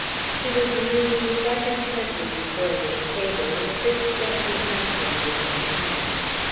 He was musing quite intently before this table when a quick step behind him made him turn.